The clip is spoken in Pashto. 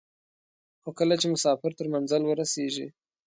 خو کله چې مسافر تر منزل ورسېږي.